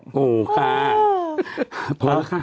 โอ้โฮค่ะ